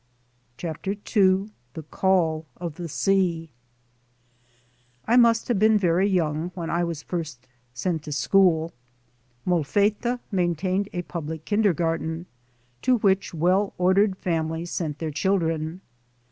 CHAPTER H THE CALL OF THE SEA IMUST have been very young when I was first sent to school. Molfetta maintained a public kindergarten, to which well ordered families pent their children.